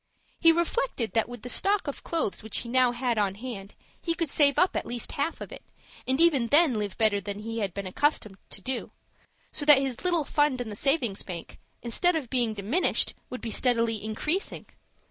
He reflected that with the stock of clothes which he had now on hand, he could save up at least half of it, and even then live better than he had been accustomed to do; so that his little fund in the savings bank, instead of being diminished, would be steadily increasing.